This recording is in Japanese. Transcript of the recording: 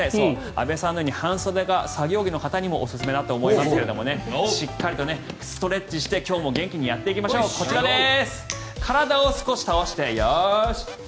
安部さんのように半袖が作業着の方にもおすすめだと思いますがしっかりとストレッチして今日も元気にやっていきましょうこちらです。